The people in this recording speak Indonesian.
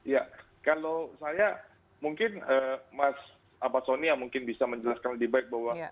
ya kalau saya mungkin mas sonia mungkin bisa menjelaskan lebih baik bahwa